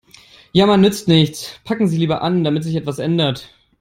Jammern nützt nichts, packen Sie lieber an, damit sich etwas ändert.